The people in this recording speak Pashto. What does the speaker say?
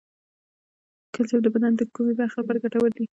کلسیم د بدن د کومې برخې لپاره ګټور دی